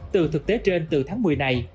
từ thực tế trên từ tháng một mươi này